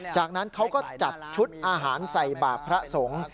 จากนั้นเขาก็จัดชุดอาหารใส่บาปพระสงฆ์